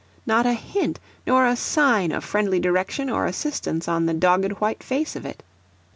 Not a hint nor a sign of friendly direction or assistance on the dogged white face of it.